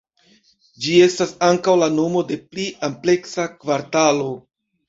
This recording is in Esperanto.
Ĝi estas ankaŭ la nomo de pli ampleksa kvartalo.